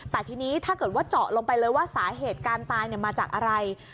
แต่ทีนี้ถ้าเกิดว่าเจาะลงไปเลยว่าสาเหตุการตายมาจากอะไร